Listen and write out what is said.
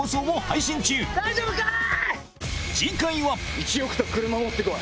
１億と車持ってこい！